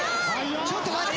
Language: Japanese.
ちょっと待って。